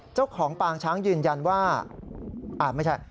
เจ้าของปางช้างยืนยันว่าไม่ใช่